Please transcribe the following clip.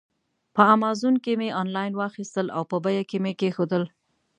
په امازان کې مې آنلاین واخیستل او په بیک کې مې کېښودل.